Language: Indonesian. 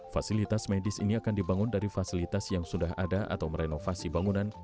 fasilitas medis ini akan dibangun dari fasilitas yang sudah ada atau merenovasi bangunan